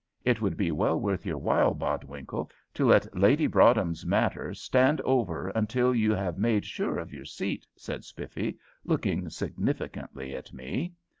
It would be well worth your while, Bodwinkle, to let Lady Broadhem's matter stand over until you have made sure of your seat," said Spiffy, looking significantly at me.